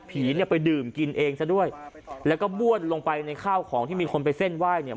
ผีเนี่ยไปดื่มกินเองซะด้วยแล้วก็บ้วนลงไปในข้าวของที่มีคนไปเส้นไหว้เนี่ย